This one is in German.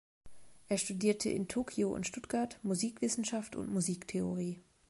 Er studierte in Tokio und Stuttgart Musikwissenschaft und Musiktheorie.